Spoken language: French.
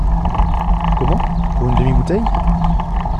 Comment, pour une demi-bouteille ?